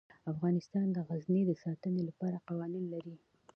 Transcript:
افغانستان د غزني د ساتنې لپاره قوانین لري.